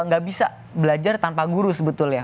nggak bisa belajar tanpa guru sebetulnya